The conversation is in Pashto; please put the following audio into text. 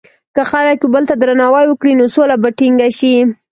که خلک یو بل ته درناوی وکړي، نو سوله به ټینګه شي.